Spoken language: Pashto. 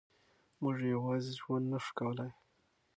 موږ یوازې ژوند نه شو کولای.